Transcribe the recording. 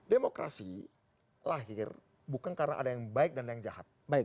demokrasi lahir bukan karena ada yang baik dan ada yang jahat